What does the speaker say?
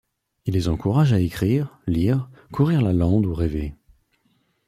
Il les encourage à écrire, lire, courir la lande ou rêver.